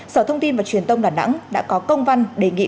sở thông tin và truyền thông đà nẵng đã có công văn đề nghị